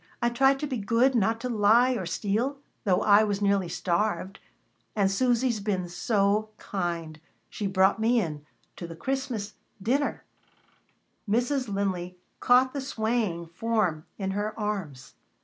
I tried to be good, not to lie or steal, though I was nearly starved. And Susy's been so kind. She brought me in to the Christmas dinner " Mrs. Linley caught the swaying form in her arms.